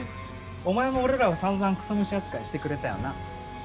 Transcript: お前も俺らをさんざんクソ虫扱いしてくれたよな？